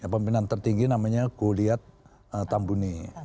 pemimpinan tertinggi namanya goliat tambuni